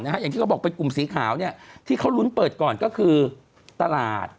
อย่างที่เขาบอกเป็นกลุ่มสีขาวที่เขาลุ้นเปิดก่อนก็คือตลาด